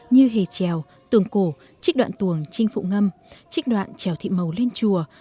như hề trèo tường cổ trích đoạn tuồng trinh phụ ngâm trích đoạn trèo thị màu lên chùa